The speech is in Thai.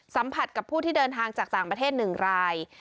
สัมผัสกับผู้ที่เดินทางจากต่างประเทศ๑ราย